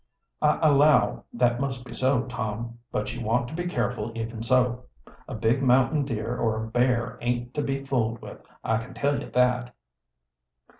"I allow that must be so, Tom. But you want to be careful even so. A big mountain deer or a bear aint to be fooled with, I can tell you that."